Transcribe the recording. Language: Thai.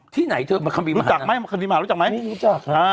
ที่ไหนเธอคัมภีมหานามรู้จักไหมคัมภีมหานรู้จักไหมนี่รู้จักครับ